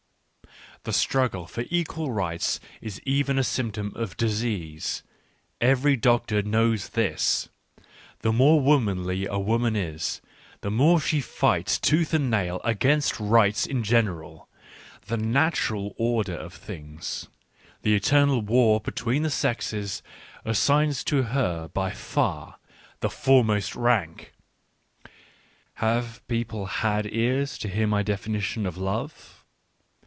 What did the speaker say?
The struggle for equal rights is even a symptom of disease ; every doctor knows this. The more womanly a woman is, the more she fights tooth and nail against rights in general : the natural order of things, the eternal war between the sexes, assigns to her by far the foremost rank. Have people had ears to hear my definition of love